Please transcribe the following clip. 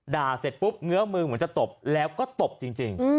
เสร็จปุ๊บเงื้อมือเหมือนจะตบแล้วก็ตบจริง